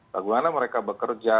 bagaimana mereka bekerja